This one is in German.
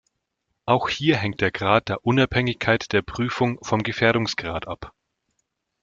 Auch hier hängt der Grad der Unabhängigkeit der Prüfung vom Gefährdungsgrad ab.